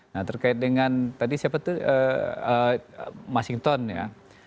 nah terkait dengan tadi siapa itu mas sinton ya